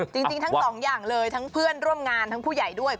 จริงทั้งสองอย่างเลยทั้งเพื่อนร่วมงานทั้งผู้ใหญ่ด้วย